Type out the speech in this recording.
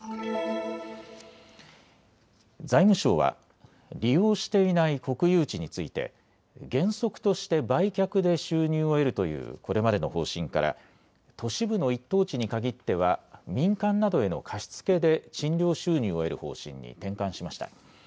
財務省は利用していない国有地について原則として売却で収入を得るというこれまでの方針から都市部の１等地に限っては民間などへの貸し付けで賃料収入を得る方針に転換しました。